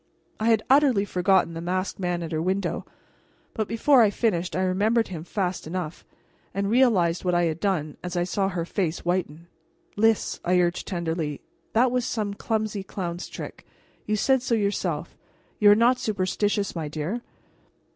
I had utterly forgotten the masked man at her window, but before I finished I remembered him fast enough, and realized what I had done as I saw her face whiten. "Lys," I urged tenderly, "that was only some clumsy clown's trick. You said so yourself. You are not superstitious, my dear?"